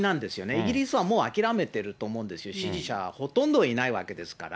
イギリスはもう諦めてると思うんですよ、支持者ほとんどいないわけですから。